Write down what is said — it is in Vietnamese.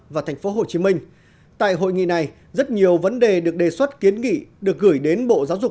và thành phố hồ chí minh tại hội nghị này rất nhiều vấn đề được đề xuất kiến nghị được gửi đến bộ giáo dục